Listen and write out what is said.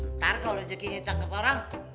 ntar kalau rezeki ini tak keparang